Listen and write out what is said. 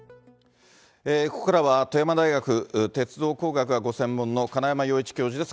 ここからは、富山大学鉄道工学がご専門の金山洋一教授です。